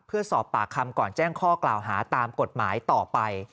เพื่อสอบปากคำก่อนแจ้งข้อกล่าวหาตามกฎหมายต่อไป